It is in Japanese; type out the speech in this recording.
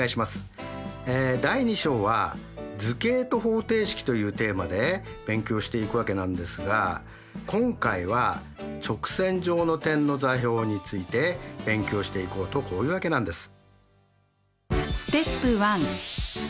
第２章は「図形と方程式」というテーマで勉強していくわけなんですが今回は直線上の点の座標について勉強していこうとこういうわけなんです。